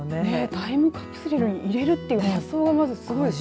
タイムカプセルに入れるという発想がまずすごいですね。